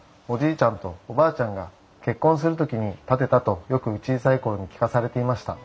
ちゃんとおばあちゃんが結婚する時に建てたとよく小さい頃に聞かされていました。